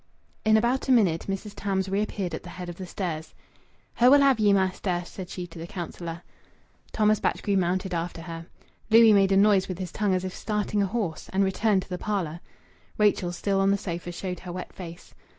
In about a minute Mrs. Tarns reappeared at the head of the stairs. "Her will have ye, mester!" said she to the councillor. Thomas Batchgrew mounted after her. Louis made a noise with his tongue as if starting a horse, and returned to the parlour. Rachel, still on the sofa, showed her wet face.